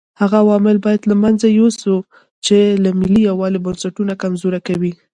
هغه عوامل باید له منځه یوسو چې د ملي یووالي بنسټونه کمزوري کوي.